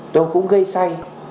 nó cũng gây say